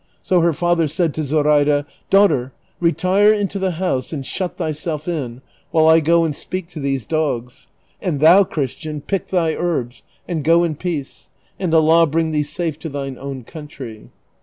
So her father said to Zoraida, "Daughter, i etire into the house and shut thyself in while I go and speak to these dogs; and thou. Christian, pick thy herbs, and go in peace, and Allah bring thee safe to thy own country."